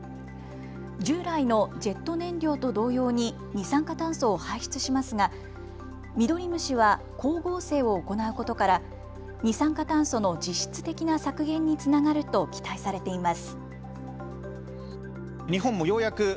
従来のジェット燃料と同様に二酸化炭素を排出しますがミドリムシは光合成を行うことから二酸化炭素の実質的な削減につながると期待されています。